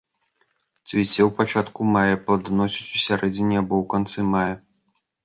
Цвіце ў пачатку мая, пладаносіць у сярэдзіне або канцы мая.